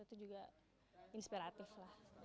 itu juga inspiratif lah